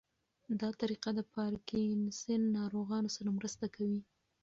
دا طریقه د پارکینسن ناروغانو سره مرسته کوي.